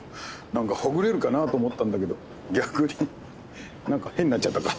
何かほぐれるかなと思ったんだけど逆に何か変になっちゃったか。